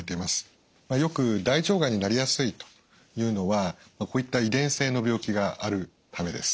よく大腸がんになりやすいというのはこういった遺伝性の病気があるためです。